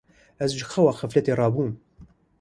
Ez ji xewa xefletê rabûm.